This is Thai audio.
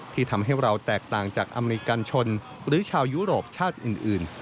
ทำให้เราแตกต่างจากอเมริกันชนหรือชาวยุโรปชาติอื่น